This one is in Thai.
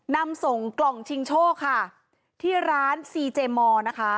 นำส่งกล่องชิงโชคค่ะที่ร้านซีเจมอร์นะคะ